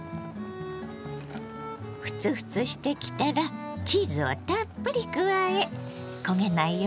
フツフツしてきたらチーズをたっぷり加え。